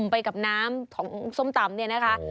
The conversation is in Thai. ไปกับน้ำของส้มตำเนี่ยนะคะ